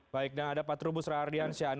baik dan ada pak trubus rahardian syahana